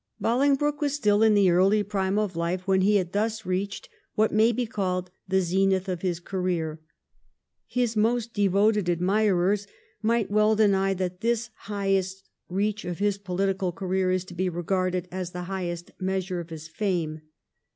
Bolingbroke was still in the early prime of life 70 THE REIGN OF QUEEN ANNE. ch. xxiv. when he had thus reached what may be called the zenith of his career. His most devoted admirers might well deny that this highest reach of his political career is to be regarded as the highest measure of his fame.